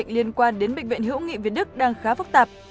liên quan đến bệnh viện hữu nghị việt đức đang khá phức tạp